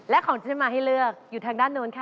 และของที่จะมาให้เลือกอยู่ทางด้านโน้นค่ะ